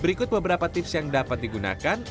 berikut beberapa tips yang dapat digunakan